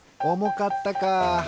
おもかったか。